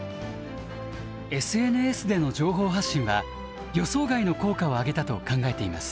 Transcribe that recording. ＳＮＳでの情報発信は予想外の効果を上げたと考えています。